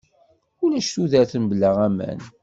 Ulac tudert mebla aman.